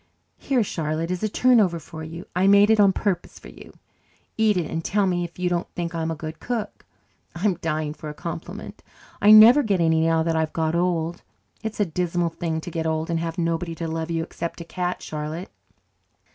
Here, Charlotte, is a turnover for you. I made it on purpose for you. Eat it and tell me if you don't think I'm a good cook. I'm dying for a compliment. I never get any now that I've got old. It's a dismal thing to get old and have nobody to love you except a cat, Charlotte."